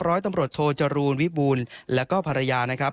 ร้อยตำรวจโทจรูลวิบูลแล้วก็ภรรยานะครับ